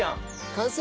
完成！